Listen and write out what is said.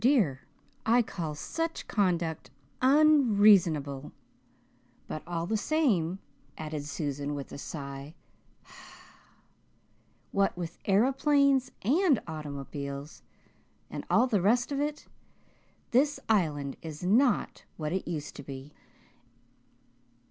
dear, I call such conduct unreasonable; but all the same," added Susan, with a sigh, "what with aeroplanes and automobiles and all the rest of it, this Island is not what it used to be."